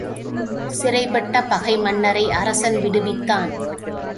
சிறைப்பட்ட பகை மன்னரை அரசன் விடுவித்தான்.